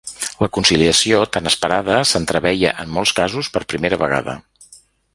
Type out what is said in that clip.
La conciliació, tan esperada, s’entreveia –en molts casos, per primera vegada.